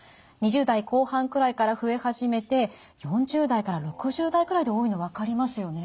２０代後半くらいから増え始めて４０代から６０代くらいで多いの分かりますよね。